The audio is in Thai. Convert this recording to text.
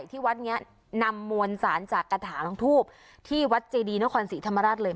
ที่วัดนี้นำมวลสารจากกระถาลงทูบที่วัดเจดีนครศรีธรรมราชเลย